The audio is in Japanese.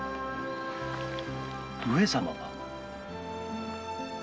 上様が？